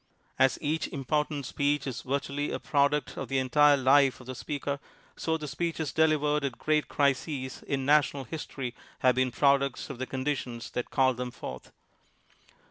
As each important speech is vir tually a product of the entire life of the speaker, so the speeches delivered at great crises in na tional history have been products of the condi tions that called them forth.